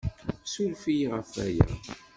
Ssuref-iyi ɣef waya.